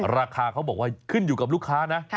ราคาเขาบอกว่าขึ้นอยู่กับลูกค้านะ